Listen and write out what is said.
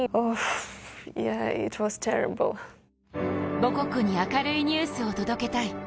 母国に明るいニュースを届けたい。